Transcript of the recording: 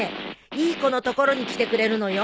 いい子の所に来てくれるのよ。